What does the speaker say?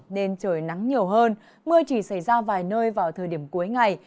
nên trời nắng nhiều hơn mưa chỉ xảy ra vài nơi vào thời điểm cuối ngày